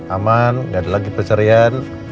aman gak ada lagi pesarian